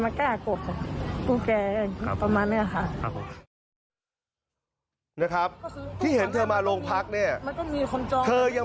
อ่าหนูก็ไม่ได้ถ่ายคลิปก่อน